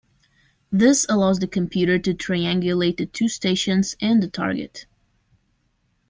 This allows the computer to triangulate the two stations and the target.